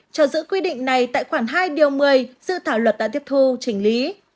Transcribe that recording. cho giữ quy định này tại khoảng hai điều một mươi dự thảo luật đã tiếp thu trình lý